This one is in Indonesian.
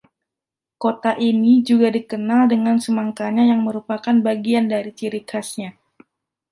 Kota ini juga dikenal dengan semangkanya yang merupakan bagian dari ciri khasnya.